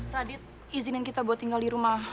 radit izinin kita buat tinggal di rumah